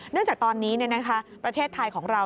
เนื่องจากตอนนี้นะคะประเทศไทยของเรา